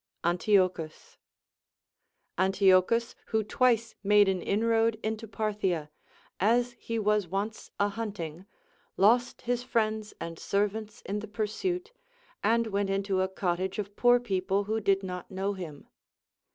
Antiochus. Antiochus, who twice made an inroad into Parthia, as he w^as once a hunting, lost his friends and ser vants in the pursuit, and went into a cottage of poor people who did not know him.